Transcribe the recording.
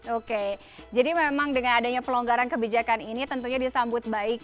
oke jadi memang dengan adanya pelonggaran kebijakan ini tentunya disambut baik